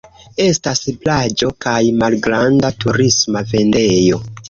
Estas plaĝo kaj malgranda turisma vendejo.